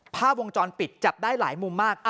ภาพวงจรปิดจับได้หลายมุมมาก